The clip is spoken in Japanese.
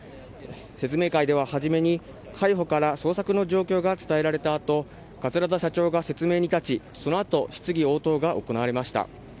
説明会では最初に海保から捜索の状況が伝えられたあと桂田社長が説明に立ちそのあと質疑応答が行われました。